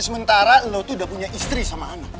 sementara lo tuh udah punya istri sama anak